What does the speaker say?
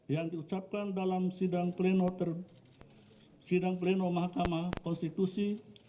yang diucapkan dalam sidang pleno mahkamah konstitusi